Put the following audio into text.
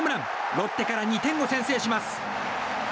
ロッテから２点を先制します。